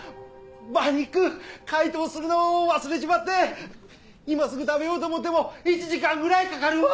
馬肉解凍するの忘れちまって今すぐ食べようと思っても１時間ぐらいかかるわ！